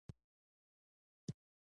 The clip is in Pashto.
په بازار کې ډېر خلک وو او زه ګډوډ شوم